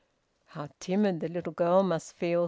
"How timid the little girl must feel!"